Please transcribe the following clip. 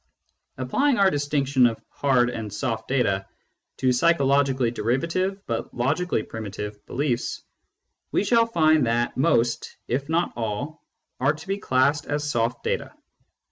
Applying our distinction of " hard " and " soft " data to psychologically derivative but logically primitive beliefs, we shall find that most, if not all, are to be classed as soft data.